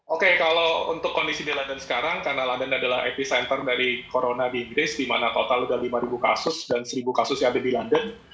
oke kalau untuk kondisi di london sekarang karena london adalah epicenter dari corona di inggris di mana total sudah lima kasus dan seribu kasus yang ada di london